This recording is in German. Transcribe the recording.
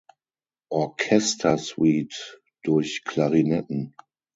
Orchestersuite durch Klarinetten.